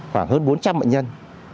khoảng hơn bốn trăm linh bệnh nhân